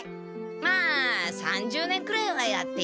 まあ３０年くらいはやっていけそうだな。